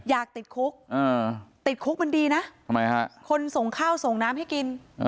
อยากติดคุกติดคุกมันดีนะทำไมฮะคนส่งข้าวส่งน้ำให้กิน